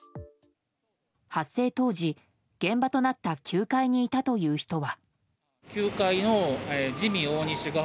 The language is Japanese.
発生当時、現場となった９階にいたという人は。